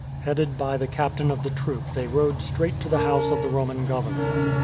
Headed by the captain of the troop they rode straight to the house of the Roman governor.